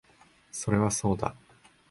それはそうだ